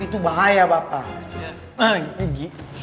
itu bahaya bapak